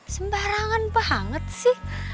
sembarangan banget sih